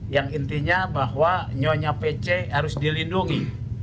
yang intinya bahwa nyonya pc harus dilindungi